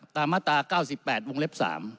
ตามมาตร๙๘วงเล็ก๓